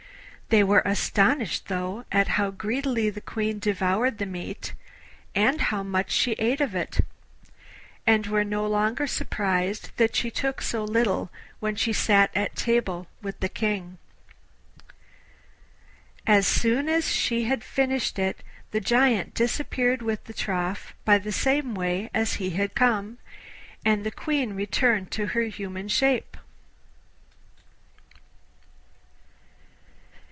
They were astonished though at how greedily the Queen devoured the meat, and how much she ate of it, and were no longer surprised that she took so little when she sat at table with the King. As soon as she had finished it the Giant disappeared with the trough by the same way as he had come, and the Queen returned to her human shape.